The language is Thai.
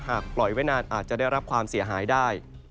ปล่อยไว้นานอาจจะได้รับความเสียหายได้